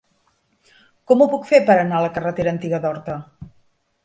Com ho puc fer per anar a la carretera Antiga d'Horta?